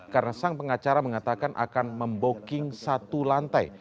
karena sang pengacara mengatakan akan membuking satu lantai